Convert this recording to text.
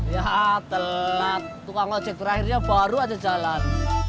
ya telat tukang ojek terakhirnya baru aja jalan